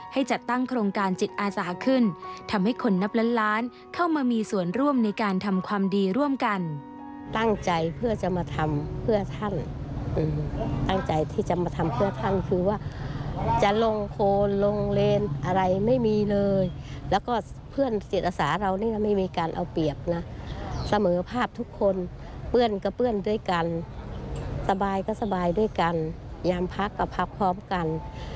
ให้จัดตั้งโครงการจิตอาสาขึ้นทำให้คนนับล้านเข้ามามีส่วนร่วมในการทำความดีร่วมกัน